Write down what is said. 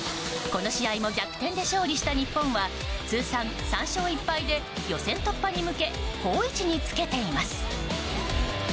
この試合も逆転で勝利した日本は通算３勝１敗で予選突破に向け好位置につけています。